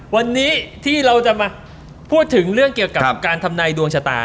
วันนี้ที่เราจะมาพูดถึงเรื่องเกี่ยวกับการทำนายดวงชะตา